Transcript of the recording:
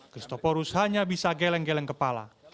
christoporus hanya bisa geleng geleng kepala